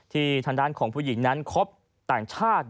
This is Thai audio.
ทางด้านของผู้หญิงนั้นคบต่างชาติ